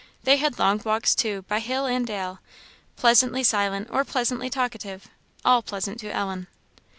They had long walks, too, by hill and dale; pleasantly silent or pleasantly talkative all pleasant to Ellen!